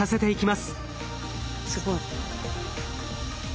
すごい。